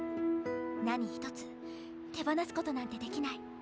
何一つ手放すことなんてできない。